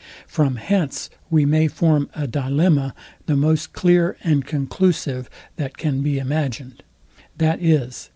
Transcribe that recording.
From hence we may form a dilemma, the most clear and conclusive that can be imagined, viz.